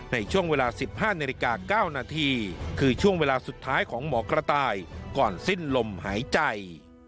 ในช่วงเวลา๑๕นาฬิกา๙นาทีคือช่วงเวลาสุดท้ายของหมอกระต่ายก่อนสิ้นลมหายใจ